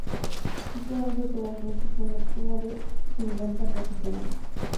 Esta danza tuvo entonces un máximo de cincuenta profesionales.